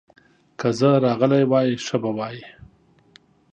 که زه راغلی وای، ښه به وای.